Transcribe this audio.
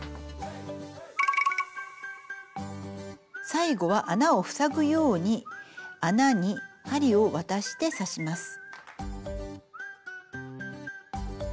最後は穴を塞ぐように穴に針を渡して刺します。